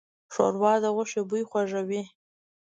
ښوروا د غوښې بوی خوږوي.